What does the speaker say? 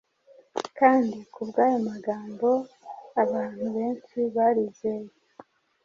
kandi kubw’ayo magambo abantu benshi barizeye